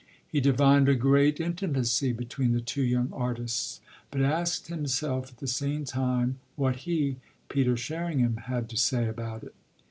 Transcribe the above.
He divined a great intimacy between the two young artists, but asked himself at the same time what he, Peter Sherringham, had to say about it.